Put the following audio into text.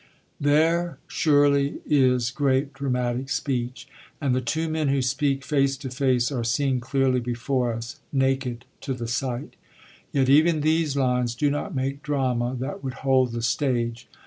There, surely, is great dramatic speech, and the two men who speak face to face are seen clearly before us, naked to the sight. Yet even these lines do not make drama that would hold the stage.